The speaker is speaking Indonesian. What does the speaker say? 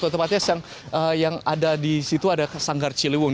tepatnya yang ada di situ ada sanggar ciliwung